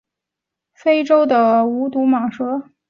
球蟒是蛇亚目蟒科蟒属下一种分布于非洲的无毒蟒蛇。